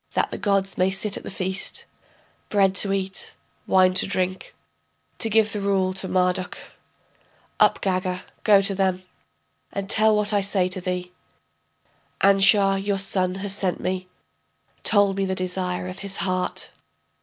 That the gods may sit at the feast, Bread to eat, wine to drink, To give the rule to Marduk. Up Gaga, to them go, And tell what I say to thee: Anshar, your son, has sent me, Told me the desire of his heart.